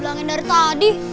ulangin dari tadi